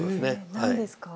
何ですか？